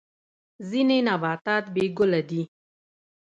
ځینې نباتات بې ګله دي